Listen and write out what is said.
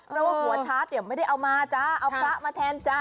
เพราะว่าหัวชาร์จไม่ได้เอามาจ้าเอาพระมาแทนจ๊ะ